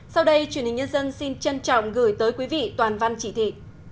sau đây truyền hình nhân dân xin trân trọng gửi tới quý vị toàn văn chỉ thị